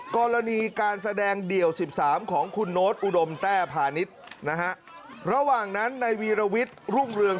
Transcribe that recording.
กรณีการแสดงเดี่ยว๑๓ของคุณโน๊ตอุดมแต้พาณิชย์นะฮะระหว่างนั้นในวีรวิทย์รุ่งเรือง